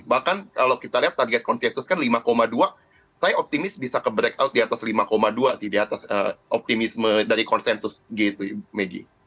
bahkan kalau kita lihat target konsensus kan lima dua saya optimis bisa ke break out di atas lima dua sih di atas optimisme dari konsensus g itu megi